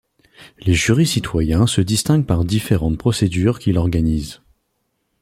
Les jurys citoyens se distinguent par différentes procédures qui l'organisent.